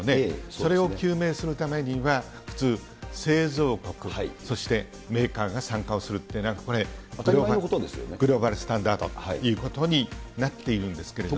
それを究明するためには、普通、製造国、そしてメーカーが参加をするというのは、これ、グローバルスタンダードということになっているんですけれども。